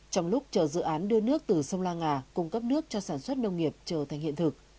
trong lúc chờ dự án đưa nước từ sông lan ngà cung cấp nước cho sản xuất nông nghiệp trở thành hiện thực